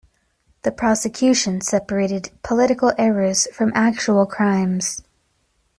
The prosecution separated political errors from actual crimes.